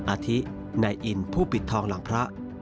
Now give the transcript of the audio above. อาทินายอินผู้ปิดทองหลังพระ